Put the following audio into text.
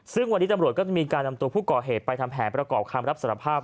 ซึ่งวันนี้ตำรวจก็จะมีการนำตัวผู้ก่อเหตุไปทำแผนประกอบคำรับสารภาพ